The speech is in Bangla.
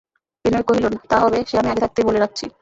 বিনয় কহিল, তা হবে, সে আমি আগে থাকতেই বলে রাখছি।